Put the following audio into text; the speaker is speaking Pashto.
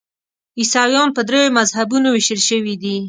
عیسویان په دریو مذهبونو ویشل شوي دي.